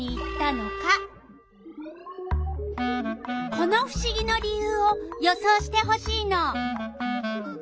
このふしぎの理由を予想してほしいの。